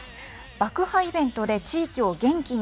爆破イベントで、地域を元気に。